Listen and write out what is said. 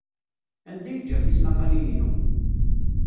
Anda ay ǧǧiɣ tismaqqalin-inu?